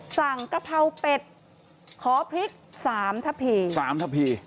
สั่งกะเพราเป็ดข้อพริก๓ทะพี